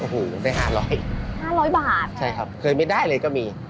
โอ้โฮได้๕๐๐บาทค่ะเปิดมั่นแล้วครับเขยไม่ได้เลยก็มี